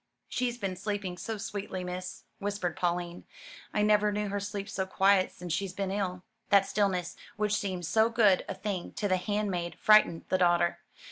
"She's been sleeping so sweetly, miss," whispered Pauline. "I never knew her sleep so quiet since she's been ill." That stillness which seemed so good a thing to the handmaid frightened the daughter.